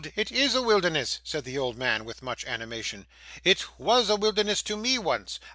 It IS a wilderness,' said the old man with much animation. 'It was a wilderness to me once.